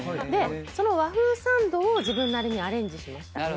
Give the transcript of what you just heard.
でその和風サンドを自分なりにアレンジしました。